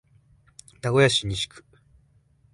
名古屋市西区